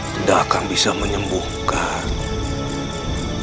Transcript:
tidak akan bisa menyembuhkan dia abang